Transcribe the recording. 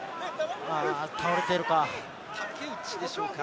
倒れているか。